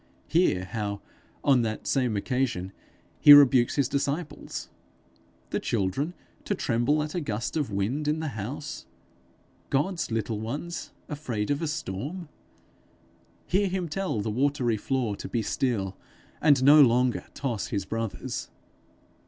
Hear how, on that same occasion, he rebukes his disciples! The children to tremble at a gust of wind in the house! God's little ones afraid of a storm! Hear him tell the watery floor to be still, and no longer toss his brothers!